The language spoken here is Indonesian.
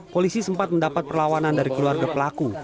polisi sempat mendapat perlawanan dari keluarga pelaku